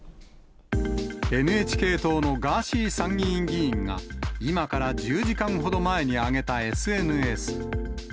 ＮＨＫ党のガーシー参議院議員が、今から１０時間ほど前に上げたＳＮＳ。